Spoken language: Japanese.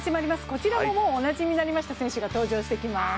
こちらももうおなじみになりました選手が登場してきます。